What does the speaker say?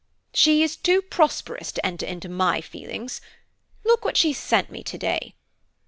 She is too prosperous to enter into my feelings. Look! what she sent me to day."